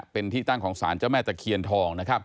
เป็นที่ตั้งของสารเจ้าแม่ตะเคียนทองนะครับ